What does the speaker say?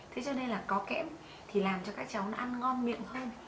thế cho nên là có kẽm thì làm cho các cháu nó ăn ngon miệng hơn